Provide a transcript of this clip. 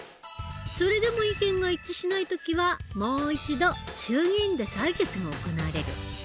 それでも意見が一致しない時はもう一度衆議院で採決が行われる。